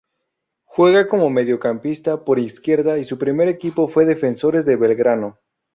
Juega como mediocampista por izquierda y su primer equipo fue Defensores de Belgrano.